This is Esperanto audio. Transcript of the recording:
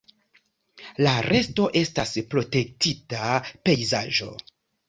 La resto estas protektita pejzaĝo.